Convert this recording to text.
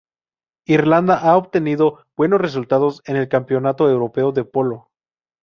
Irlanda ha obtenido buenos resultados en el Campeonato Europeo de Polo.